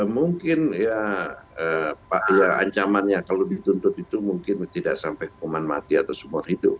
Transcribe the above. mungkin ya ancamannya kalau dituntut itu mungkin tidak sampai hukuman mati atau seumur hidup